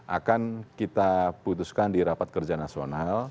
akan kita putuskan di rapat kerja nasional